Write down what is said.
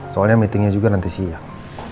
soalnya meetingnya juga nanti siang